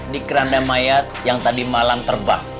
di keranda mayat yang tadi malam terbang